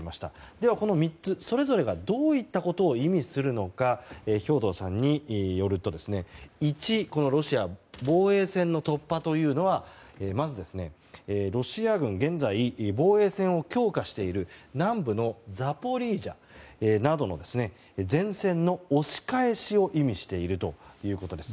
ではこの３つ、それぞれがどういったことを意味するのか兵頭さんによると１、ロシアの防衛線の突破というのはまず、ロシア軍が現在、防衛線を強化している南部のザポリージャなどの前線の押し返しを意味しているということです。